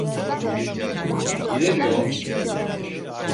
Yine mi o?